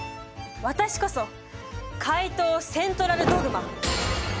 私こそ怪盗セントラルドグマ！